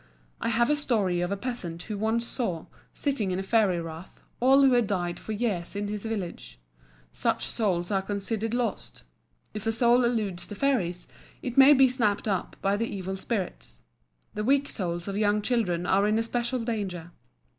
I have a story of a peasant who once saw, sitting in a fairy rath, all who had died for years in his village. Such souls are considered lost. If a soul eludes the fairies, it may be snapped up by the evil spirits. The weak souls of young children are in especial danger.